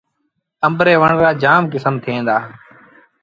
آݩب ري وڻ رآ جآم ڪسم ٿئيٚݩ دآ۔